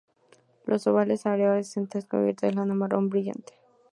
Los ovales areolas están cubiertas de lana marrón brillante.